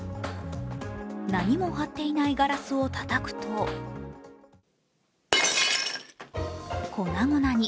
何も貼っていないガラスをたたくと粉々に。